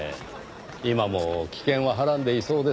今も危険ははらんでいそうですが。